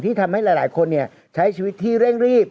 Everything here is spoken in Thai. ทำให้หลายคนใช้ชีวิตที่เร่งรีบ